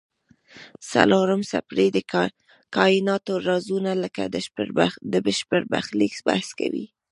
څلورم څپرکی د کایناتو رازونه لکه د بشر برخلیک بحث کوي.